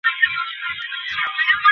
বিড়াল বিষয়ে যেখানে যত বই পাবেন, পড়বেন।